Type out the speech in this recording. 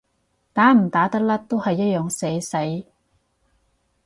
打唔打得甩都一樣係社死